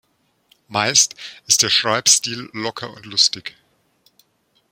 Meist ist der Schreibstil locker und lustig.